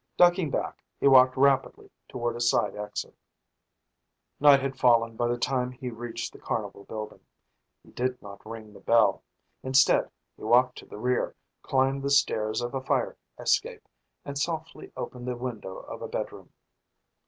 Ducking back, he walked rapidly toward a side exit. Night had fallen by the time he reached the carnival building. He did not ring the bell. Instead, he walked to the rear, climbed the stairs of a fire escape, and softly opened the window of a bedroom.